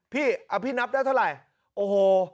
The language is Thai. พี่นับได้เท่าไหร่